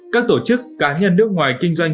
các tổ chức cá nhân nước ngoài kinh doanh